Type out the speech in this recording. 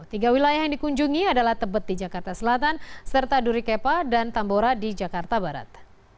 tiga wilayah yang dikunjungi adalah tebet di jakarta selatan serta duri kepa dan tambora di jakarta barat